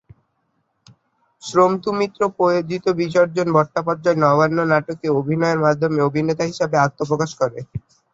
শম্ভু মিত্র প্রযোজিত বিজন ভট্টাচার্যের "নবান্ন" নাটকে অভিনয়ের মাধ্যমে অভিনেতা হিসেবে আত্মপ্রকাশ করেন।